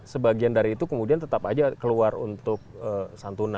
sebagian dari itu kemudian tetap aja keluar untuk santunan